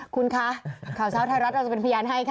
คุณคะข่าวเช้าไทยรัฐเราจะเป็นพยานให้ค่ะ